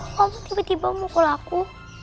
kok kamu tiba tiba mukul aku